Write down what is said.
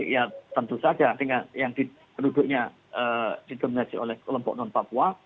ya tentu saja yang penduduknya didominasi oleh kelompok non papua